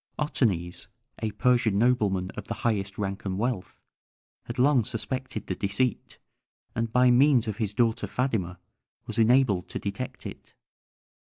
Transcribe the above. Otanes, a Persian nobleman of the highest rank and wealth, had long suspected the deceit, and by means of his daughter Phædyma was enabled to detect it.